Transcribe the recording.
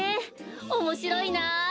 おもしろいな。